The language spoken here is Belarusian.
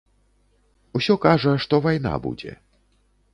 Усё кажа, што вайна будзе.